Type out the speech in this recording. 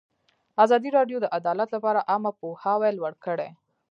ازادي راډیو د عدالت لپاره عامه پوهاوي لوړ کړی.